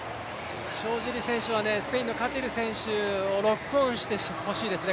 塩尻選手はカティル選手をロックオンしてほしいですね。